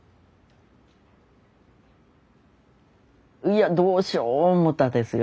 いやどうしよう思うたですよ。